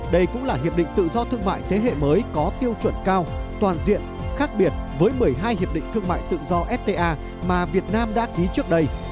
đây cũng là hiệp định tự do thương mại thế hệ mới có tiêu chuẩn cao toàn diện khác biệt với một mươi hai hiệp định thương mại tự do fta mà việt nam đã ký trước đây